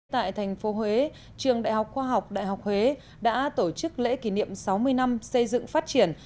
tại thành phố huế trường đại học khoa học đại học huế đã tổ chức lễ kỷ niệm sáu mươi năm xây dựng phát triển